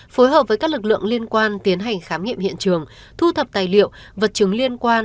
phối hợp với các lực lượng liên quan tiến hành khám nghiệm hiện trường thu thập tài liệu vật chứng liên quan